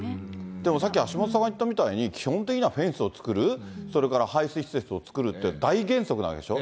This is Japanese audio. でもさっき、橋下さんが言ったみたいに、基本的にはフェンスを作る、それから排水施設を作るって大原則なんでしょ？